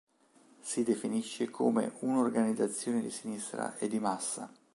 Si definisce come un'organizzazione di sinistra e di massa.